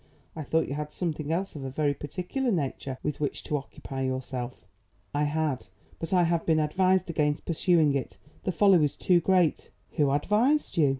"I thought you had something else of a very particular nature with which to occupy yourself." "I had; but I have been advised against pursuing it. The folly was too great." "Who advised you?"